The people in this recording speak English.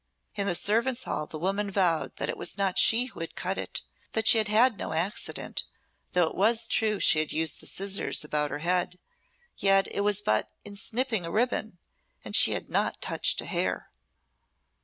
In the servants' hall the woman vowed that it was not she who had cut it, that she had had no accident, though it was true she had used the scissors about her head, yet it was but in snipping a ribbon, and she had not touched a hair.